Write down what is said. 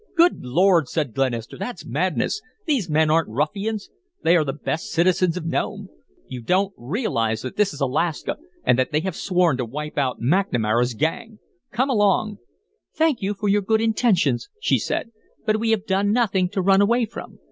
"Good Lord!" said Glenister. "That's madness. These men aren't ruffians; they are the best citizens of Nome. You don't realize that this is Alaska and that they have sworn to wipe out McNamara's gang. Come along." "Thank you for your good intentions," she said, "but we have done nothing to run away from.